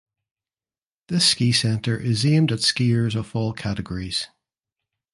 This ski center is aimed at skiers of all categories.